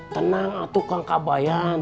tenang ah tukang kabayan